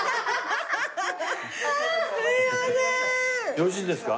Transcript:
よろしいですか？